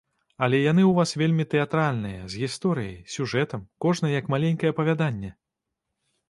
Але яны ў вас вельмі тэатральныя, з гісторыяй, сюжэтам, кожная як маленькае апавяданне.